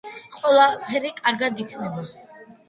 ყველაფერი კარგად იქნება!